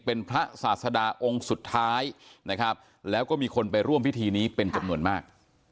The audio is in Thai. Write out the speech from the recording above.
เป็นพระศาสดาองค์สุดท้ายนะครับแล้วก็มีคนไปร่วมพิธีนี้เป็นจำนวนมาก